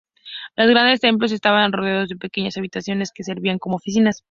Los grandes templos estaban rodeados de pequeñas habitaciones que servían como oficinas.